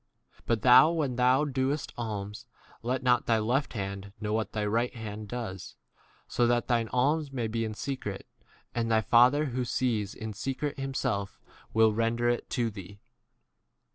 But thou, when thou doest alms, let not thy left hand know what thy right 4 hand does ; so that thine alms may be in secret, and thy Father who sees in secret himself will render [it] to thee.